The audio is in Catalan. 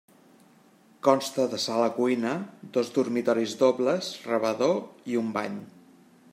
Consta de sala-cuina, dos dormitoris dobles, rebedor i un bany.